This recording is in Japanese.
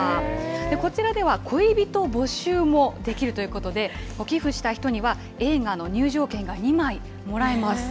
こちらでは恋人募集もできるということで、寄付した人には映画の入場券が２枚もらえます。